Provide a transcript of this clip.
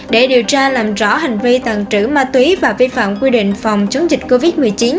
để điều tra làm rõ hành vi tàn trữ ma túy và vi phạm quy định phòng chống dịch covid một mươi chín